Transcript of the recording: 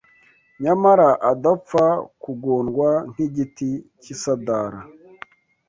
nyamara adapfa kugondwa nk’igiti cy’isadara